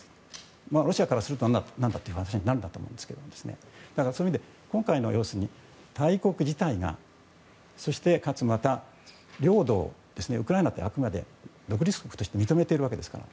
ロシアからすると何だという話になると思うんですがそういう意味で今回は、大国自体がそして、かつ領土をウクライナってあくまで独立国として認めているわけですから。